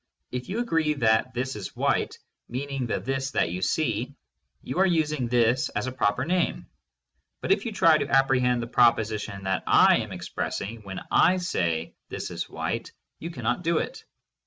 If you agree that "This is white," meaning the "this" that you see, you are using "this" as a proper name. But if you try to ap prehend the proposition that I am expressing when I say "This is white," you cannot do it.